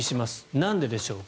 なんででしょうか。